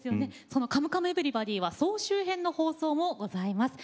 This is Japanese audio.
その「カムカムエヴリバディ」は総集編の放送もございます。